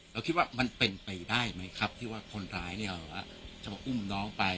เราคิดว่ามันเป็นไปได้ไหมครับที่ว่าคนร้ายจะมาอุ้มน้องไป